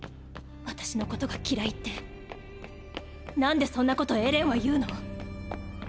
私のことが嫌いって何でそんなことエレンは言うの？